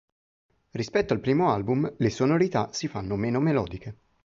Rispetto al primo album le sonorità si fanno meno melodiche.